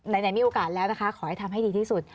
ไหนมีโอกาสแล้วนะคะขอให้ทำให้ดีที่สุด